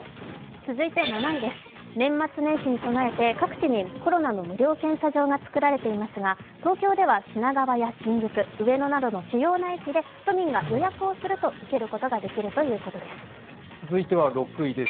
続いて７位、年末年始に備えて各地にコロナの無料検査場が作られていますが、東京では品川や新宿、上野など主要な駅で都民が予約をすると受けることができるということです。